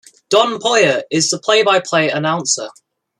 Don Poier is the play-by-play announcer.